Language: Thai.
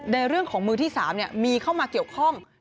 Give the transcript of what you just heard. ในเรื่องของมือที่๓มีเข้ามาเกี่ยวข้อง